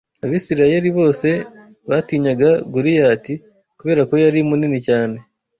Abisirayeli bose batinyaga Goliyati kubera ko yari munini cyane